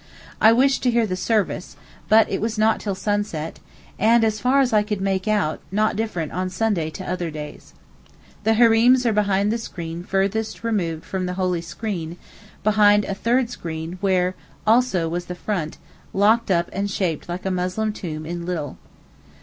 I wished to hear the service, but it was not till sunset, and, as far as I could make out, not different on Sunday to other days. The Hareems are behind the screen furthest removed from the holy screen, behind a third screen where also was the font, locked up and shaped like a Muslim tomb in little.